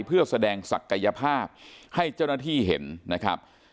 เพื่อแสดงศักยภาพให้เจ้าหน้าที่เห็นนะครับ